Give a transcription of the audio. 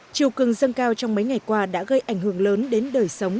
chiều cường dâng cao trong mấy ngày qua đã gây ảnh hưởng lớn đến đời sống